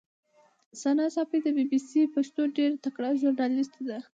ثنا ساپۍ د بي بي سي پښتو ډېره تکړه ژورنالیسټه